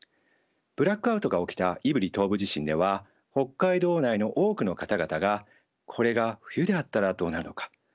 ブラックアウトが起きた胆振東部地震では北海道内の多くの方々が「これが冬であったらどうなるのか」